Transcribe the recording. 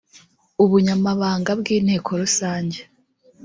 ubunyamabanga bw inteko rusange